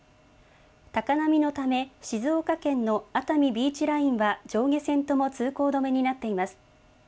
高波のため静岡県の熱海ビーチラインは上下線とも通行止めになっています。